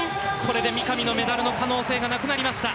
三上のメダルの可能性がなくなりました。